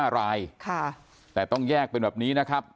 ๕รายแต่ต้องแยกเป็นแบบนี้นะครับ